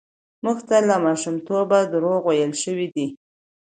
موږ ته له ماشومتوبه دروغ ويل شوي دي.